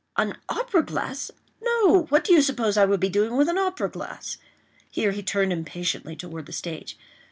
"An opera glass!—no!—what do you suppose I would be doing with an opera glass?" Here he turned impatiently toward the stage.